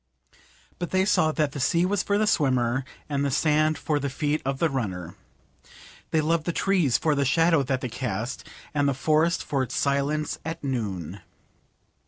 But they saw that the sea was for the swimmer, and the sand for the feet of the runner. They loved the trees for the shadow that they cast, and the forest for its silence at noon.